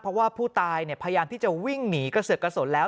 เพราะว่าผู้ตายพยายามที่จะวิ่งหนีกระเสือกกระสนแล้ว